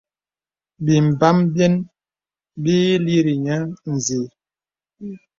Bīmbām biyə̀n bì ï līri niə nzi.